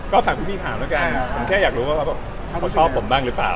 ก็ฝากพี่ถามผมแค่อยากรู้ว่าเขาชอบผมบ้างหรือเปล่า